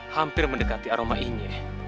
hampir mendekati aroma inye